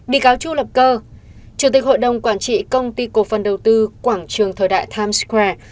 bị cáo tru lập cơ chủ tịch hội đồng quản trị công ty cộng phân đầu tư quảng trường thời đại times square